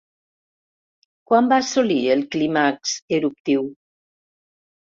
Quan va assolir el clímax eruptiu?